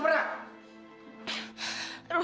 pernah lo kenapa pernah